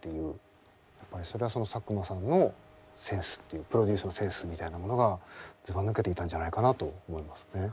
やっぱりそれはその佐久間さんのセンスっていうプロデュースのセンスみたいなものがずばぬけていたんじゃないかなと思いますね。